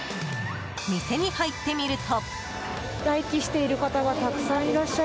店に入ってみると。